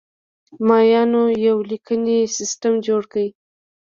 مایانو یو لیکنی سیستم جوړ کړ.